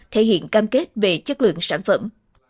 thể hiện cam kết về chất lượng sản phẩm